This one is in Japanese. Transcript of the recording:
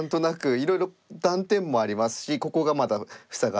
いろいろ断点もありますしここがまだ塞がってない。